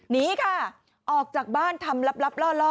หนีค่ะออกจากบ้านทำลับล่อ